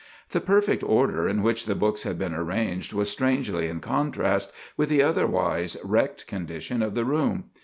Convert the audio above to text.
The perfect order in which the books had been arranged was strangely in contrast with the otherwise wrecked condition of the room.